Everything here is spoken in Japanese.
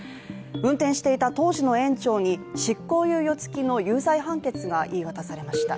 運転していた当時の園長に、執行猶予つきの有罪判決が言い渡されました。